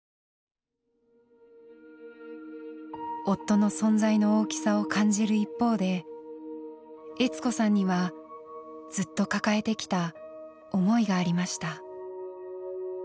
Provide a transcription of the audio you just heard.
夫の存在の大きさを感じる一方で悦子さんにはずっと抱えてきた思いがありました。